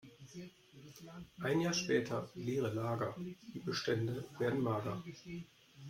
Ein Jahr später: Leere Lager, die Bestände werden mager.